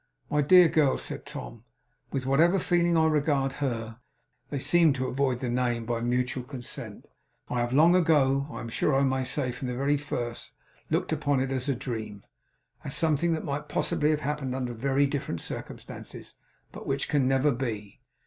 'My dear girl,' said Tom; 'with whatever feeling I regard her' they seemed to avoid the name by mutual consent 'I have long ago I am sure I may say from the very first looked upon it as a dream. As something that might possibly have happened under very different circumstances, but which can never be.